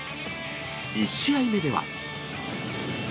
１試合目では。